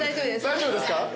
大丈夫ですか？